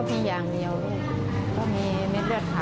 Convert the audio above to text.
ก็มีอย่างนี้เลยมีมิดเลือดเถา